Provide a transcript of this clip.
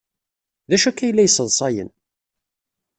D acu akka ay la yesseḍsayen?